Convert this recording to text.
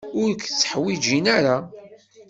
Ur k-tteḥwijin ara.